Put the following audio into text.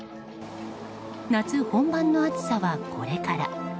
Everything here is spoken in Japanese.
夏本番の暑さは、これから。